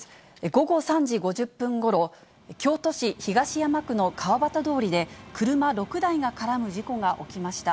午後３時５０分ごろ、京都市東山区の川端通で、車６台が絡む事故が起きました。